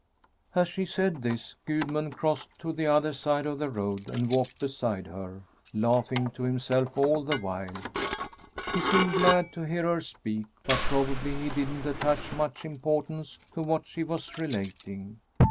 As she said this, Gudmund crossed to the other side of the road and walked beside her, laughing to himself all the while. He seemed glad to hear her speak, but probably he didn't attach much importance to what she was relating.